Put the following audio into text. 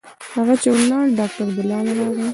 هغه چې ولاړ ډاکتر بلال راغى.